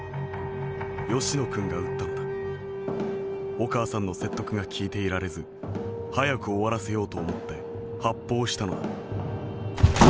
お母さんの説得が聞いていられず早く終わらせようと思って発砲したのだ」。